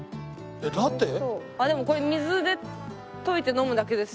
でもこれ水で溶いて飲むだけですよ。